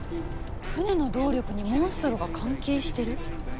船の動力にモンストロが関係してる？